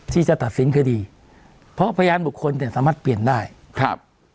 ที่จะตัดสินคดีเพราะพยานบุคคลเนี่ยสามารถเปลี่ยนได้ครับ